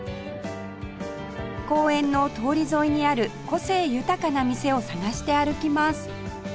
公園の通り沿いにある個性豊かな店を探して歩きます